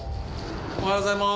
おはようございます。